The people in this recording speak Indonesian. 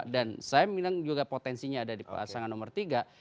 dan saya bilang juga potensinya ada di pelaksanaan nomor tiga